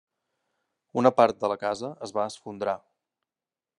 Una part de la casa es va esfondrar.